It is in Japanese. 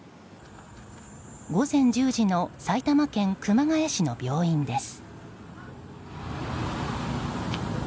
午前１０時の埼玉県熊谷市の病院です。